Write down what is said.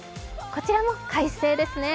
こちらも快晴ですね。